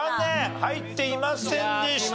入っていませんでした。